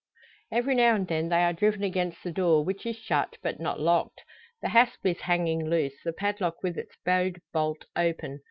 Every now and then they are driven against the door, which is shut, but not locked. The hasp is hanging loose, the padlock with its bowed bolt open.